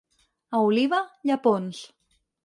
A Oliva, llepons.